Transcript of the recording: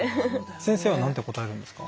先生は何て答えるんですか？